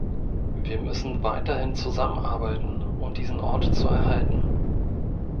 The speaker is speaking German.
Wir müssen weiterhin zusammenarbeiten, um diesen Ort zu erhalten.